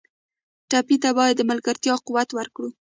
ټپي ته باید د ملګرتیا قوت ورکړو.